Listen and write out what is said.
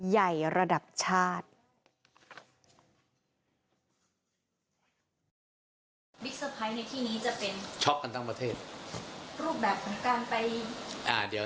ใหญ่ระดับชาติ